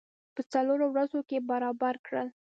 په څلورو ورځو کې برابر کړل.